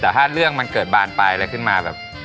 แต่ถ้าเรื่องมันเกิดบ้านไปแล้วขึ้นมาแบบ